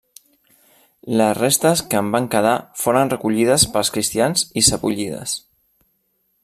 Les restes que en van quedar foren recollides pels cristians i sebollides.